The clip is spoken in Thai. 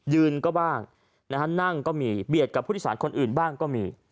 ยืนก็บ้างนะฮะนั่งก็มีเบียดกับผู้โดยสารคนอื่นบ้างก็มี